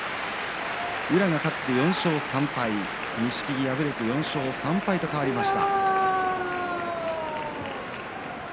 宇良勝って４勝３敗錦木敗れて４勝３敗と変わりました。